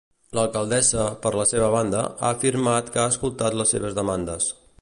L'alcaldessa, per la seva banda, ha afirmat que ha escoltat les seves demandes.